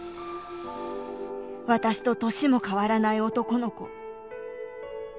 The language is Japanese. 私と年も変わらない男の子。